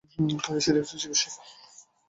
তার স্ত্রী একজন চিকিৎসক।